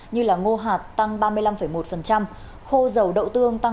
như là ngô hạt tăng ba mươi năm một khô dầu đậu tương tăng ba mươi năm năm